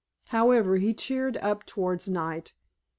However, he cheered up towards night.